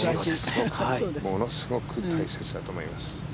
ものすごく大切だと思います。